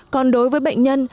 còn đối với bệnh nhân